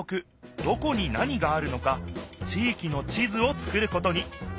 どこに何があるのか地いきの地図をつくることに。